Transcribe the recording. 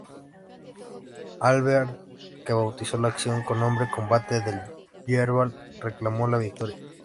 Alvear, que bautizó la acción con nombre Combate del Yerbal, reclamó la victoria.